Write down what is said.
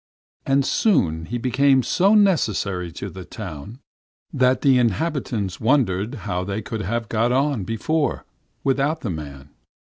"And soon he became so necessary to the town that the inhabitants wondered how they could have got on before without the man.